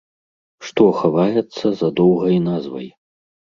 Што хаваецца за доўгай назвай?